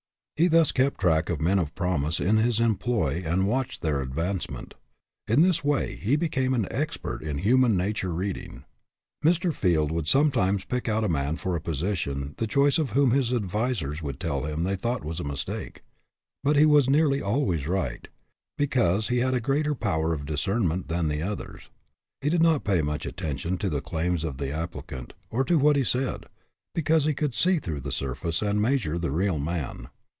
He thus kept track of men of promise in his employ and watched their advancement. In this way, he became an expert in human nature reading. Mr. Field would sometimes pick out a man for a position the choice of whom his advisers would tell him they thought a mistake; but he was nearly always right, because he had greater power of discernment than the others. He did not pay much attention to the claims of the applicant, or to what he said, because he could see through the surface and measure the real man.